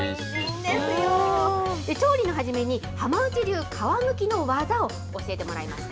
調理の初めに、浜内流皮むきの技を教えてもらいました。